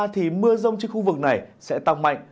thì mưa rông trên khu vực này sẽ tăng mạnh